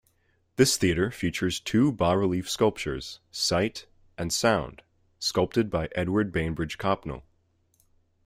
This theatre features two bas-relief sculptures, "Sight" and "Sound", sculpted by Edward Bainbridge Copnall.